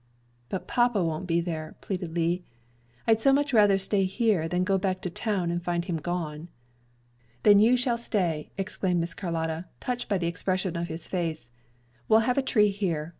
"But papa won't be there," pleaded Lee. "I'd so much rather stay here than go back to town and find him gone." "Then you shall stay," exclaimed Miss Carlotta, touched by the expression of his face. "We'll have a tree here.